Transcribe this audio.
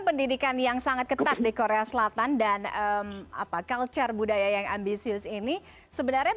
pendidikan yang sangat ketat di korea selatan dan apa culture budaya yang ambisius ini sebenarnya